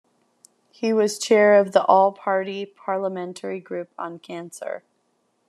He was chair of the All Party Parliamentary Group on Cancer.